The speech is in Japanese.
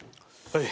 はい。